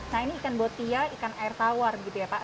nah ini ikan botia ikan air tawar gitu ya pak